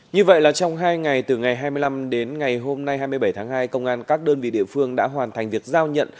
như vậy là trong hai ngày từ ngày hai mươi năm đến ngày hôm nay hai mươi bảy tháng hai công an các đơn vị địa phương đã hoàn thành việc giao nhận